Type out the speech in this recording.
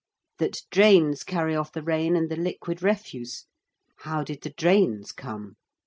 That drains carry off the rain and the liquid refuse. How did the drains come?